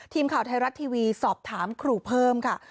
ทีมข่าวไทยรัฐทีวีสอบถามครูเพิ่มค่ะ